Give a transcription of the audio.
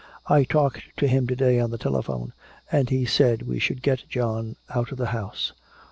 "I talked to him to day on the telephone, and he said we should get John out of the house."